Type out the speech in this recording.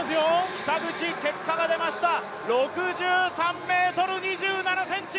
北口、結果が出ました、６３ｍ２７ｃｍ！